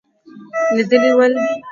لیدلي ول.